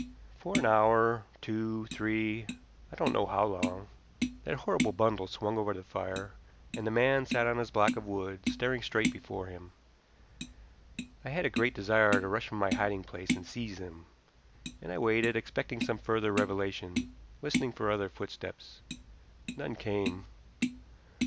For an hour two, three, I don't know how long that horrible bundle swung over the fire, and the man sat on his block of wood, staring straight before him. I had a great desire to rush from my hiding place and seize him, and I waited, expecting some further revelation, listening for other footsteps. None came.